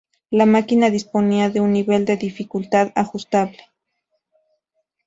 La máquina disponía de un nivel de dificultad ajustable.